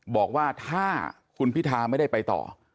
บอกว่าถ้าคุณพิธาไม่ได้ไปต่อ